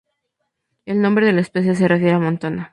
El nombre de la especie se refiere a Montana.